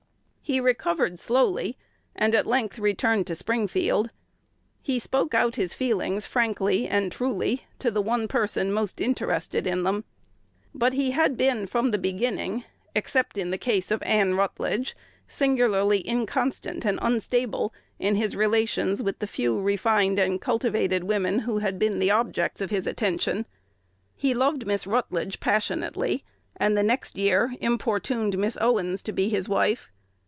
He recovered slowly, and at length returned to Springfield. He spoke out his feelings frankly and truly to the one person most interested in them. But he had been, from the beginning, except in the case of Ann Rutledge, singularly inconstant and unstable in his relations with the few refined and cultivated women who had been the objects of his attention. He loved Miss Rutledge passionately, and the next year importuned Miss Owens to be his wife.